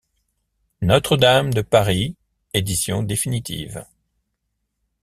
Notre-Dame de Paris. — Édition définitive.